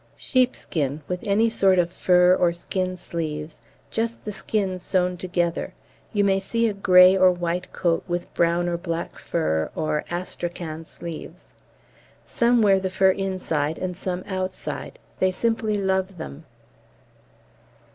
Sheepskin, with any sort of fur or skin sleeves, just the skins sewn together; you may see a grey or white coat with brown or black fur or astrakhan sleeves. Some wear the fur inside and some outside; they simply love them.